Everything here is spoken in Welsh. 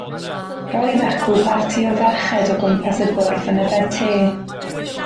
Roedd acw barti o ferched o gwmpas y bwrdd yn yfed te.